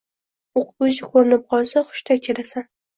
O‘qituvchi ko‘rinib qolsa, hushtak chalasan.